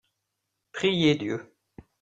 Prier Dieu.